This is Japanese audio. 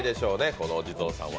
このお地蔵さんは。